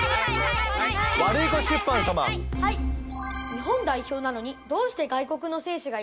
日本代表なのにどうして外国の選手がいるんですか？